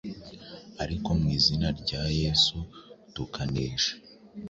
ariko mu izina rya Yesu tukanesha;